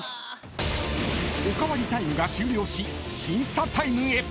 ［おかわりタイムが終了し審査タイムへ］